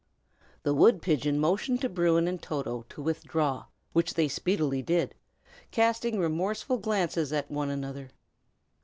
The wood pigeon motioned to Bruin and Toto to withdraw, which they speedily did, casting remorseful glances at one another.